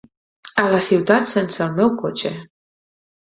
A la ciutat sense el meu cotxe!